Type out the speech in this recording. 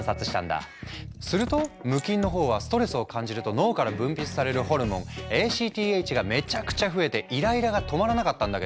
すると無菌の方はストレスを感じると脳から分泌されるホルモンＡＣＴＨがめちゃくちゃ増えてイライラが止まらなかったんだけど